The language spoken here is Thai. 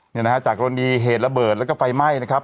เนี่ยนะฮะจากกรณีเหตุระเบิดแล้วก็ไฟไหม้นะครับ